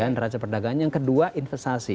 neraca perdagangan yang kedua investasi